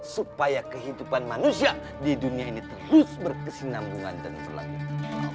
supaya kehidupan manusia di dunia ini terus berkesinambungan dan berlanjut